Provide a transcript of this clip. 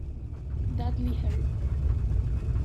Dudley Herb.